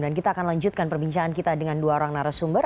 dan kita akan lanjutkan perbincangan kita dengan dua orang narasumber